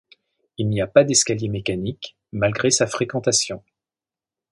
Il n'y a pas d'escaliers mécaniques malgré sa fréquentation.